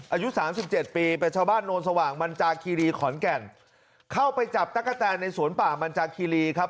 อายุสามสิบเจ็ดปีเป็นชาวบ้านโนนสว่างมันจาคีรีขอนแก่นเข้าไปจับตะกะแตนในสวนป่ามันจากคีรีครับ